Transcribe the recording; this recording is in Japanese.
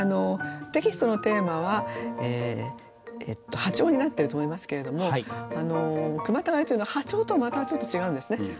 テキストのテーマは破調になっていると思いますけれども句またがりというのは破調とはまたちょっと違うんですね。